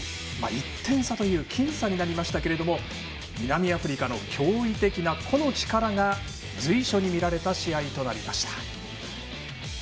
１点差という僅差になりましたが南アフリカの驚異的な個の力が随所に見られた試合となりました。